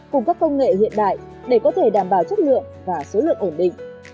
cùng các công nghệ hiện đại để có thể đảm bảo chất lượng và số lượng ổn định